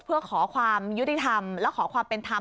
เพื่อขอความยุติธรรมและขอความเป็นธรรม